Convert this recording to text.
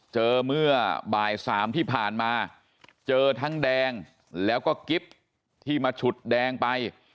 เมื่อบ่ายสามที่ผ่านมาเจอทั้งแดงแล้วก็กิ๊บที่มาฉุดแดงไป